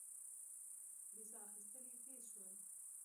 د سا اخېستل يې تېز شول.